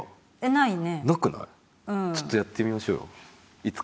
ちょっとやってみましょうよいつか。